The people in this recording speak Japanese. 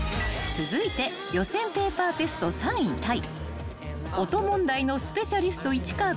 ［続いて予選ペーパーテスト３位タイ］